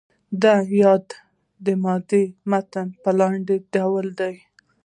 د یادې مادې متن په لاندې ډول دی.